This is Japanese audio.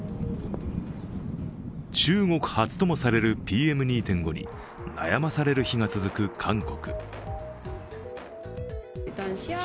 中国発ともされる、ＰＭ２．５に悩まされる日が続く韓国。